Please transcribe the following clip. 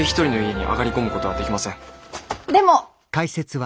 でも。